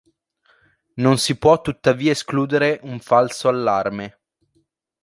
Non si può tuttavia escludere un falso allarme.